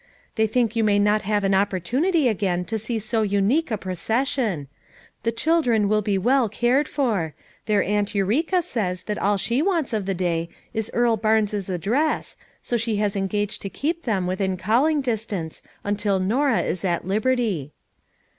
They think you may not have an opportunity again to see so unique a procession. The children will be well cared for ; their Aunt Eureka says that all she wants of the day is Earl Barnes's address, so she has engaged to keep them within calling distance, until Norab is at liberty."